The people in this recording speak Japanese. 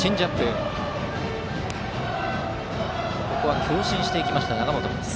ここは強振していった永本です。